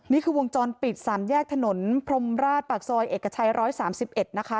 นี่คือวงจรปิด๓แยกถนนพรมราชปากซอยเอกชัย๑๓๑นะคะ